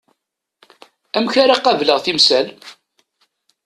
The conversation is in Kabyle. Amek ara qableɣ timsal?